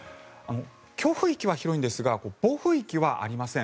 強風域は広いんですが暴風域はありません。